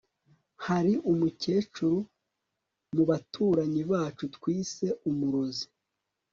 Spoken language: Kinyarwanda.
hari umukecuru mubaturanyi bacu twise Umurozi